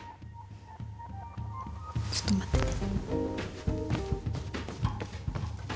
ちょっと待ってて。